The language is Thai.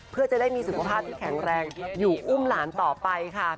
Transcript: เพื่อจะได้มีสุขภาพที่แข็งแรงอยู่อุ้มหลานต่อไปค่ะ